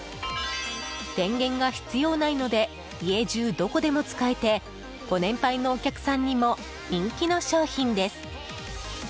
電源が必要ないので家中どこでも使えてご年配のお客さんにも人気の商品です。